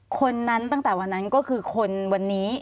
คนนั้นตั้งแต่วันนั้นก็คือคนวันนี้